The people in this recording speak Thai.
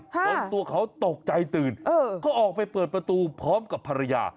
จนตัวเขาตกใจตื่นก็ออกไปเปิดประตูพร้อมกับภรรยา